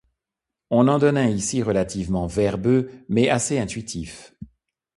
On en donne un ici relativement verbeux mais assez intuitif.